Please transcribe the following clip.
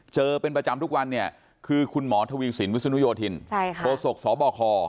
เจอเป็นประจำทุกวันเนี่ยคือคุณหมอทวีสินวิศนุโยธินโคศกสบค